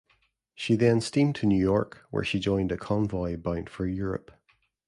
She then steamed to New York where she joined a convoy bound for Europe.